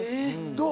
どう？